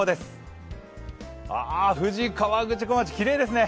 富士河口湖町きれいですね。